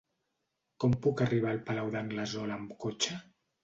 Com puc arribar al Palau d'Anglesola amb cotxe?